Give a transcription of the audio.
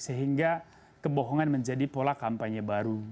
sehingga kebohongan menjadi pola kampanye baru